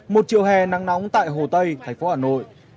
một chiều hè nắng nóng tại hồ tây thành phố hà nội